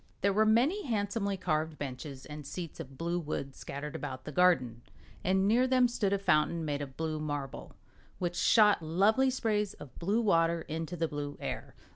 There were many handsomely carved benches and seats of blue wood scattered about the garden, and near them stood a fountain, made of blue marble, which shot lovely sprays of blue water into the blue air.